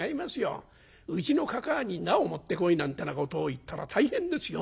うちのかかあに『菜を持ってこい』なんてなことを言ったら大変ですよ。